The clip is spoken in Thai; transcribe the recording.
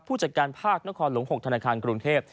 ผู้จัดการภาคนครหลวง๖ธนาคารกรุงเทพ